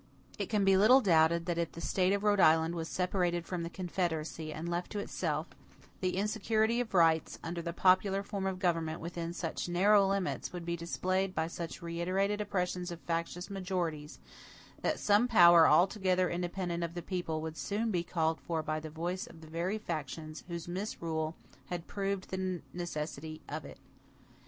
It can be little doubted that if the State of Rhode Island was separated from the Confederacy and left to itself, the insecurity of rights under the popular form of government within such narrow limits would be displayed by such reiterated oppressions of factious majorities that some power altogether independent of the people would soon be called for by the voice of the very factions whose misrule had proved the necessity of it.